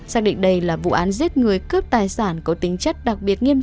xác định đây là vụ án giết người cướp tài sản có tính chất đặc biệt nghiêm trọng